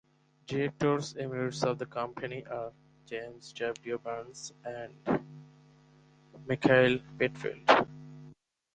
Directors emeritus of the company are: James W. Burns and Michael Pitfield.